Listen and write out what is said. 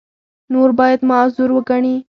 نور باید معذور وګڼي.